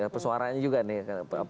pesuarannya juga nih